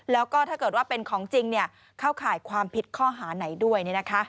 แล้วก็ถ้าเกิดว่าเป็นของจริงเข้าข่ายความผิดข้อหาไหนด้วย